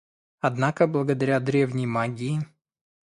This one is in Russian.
Однако, благодаря древней магии